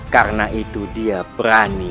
karena itu dia perani